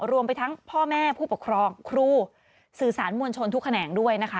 รวมไปทั้งพ่อแม่ผู้ปกครองครูสื่อสารมวลชนทุกแขนงด้วยนะคะ